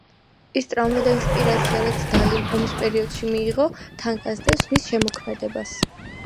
ის ტრამვა და ინსპირაცია, რაც დალიმ ომის პერიოდში მიიღო, თან გასდევს მის შემოქმედებას.